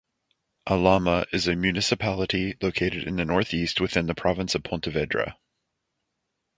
A Lama is a municipality located in the northeast within the province of Pontevedra.